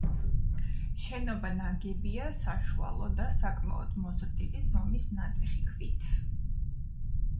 შენობა ნაგებია საშუალო და საკმაოდ მოზრდილი ზომის ნატეხი ქვით.